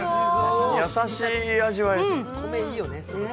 優しい味わいです。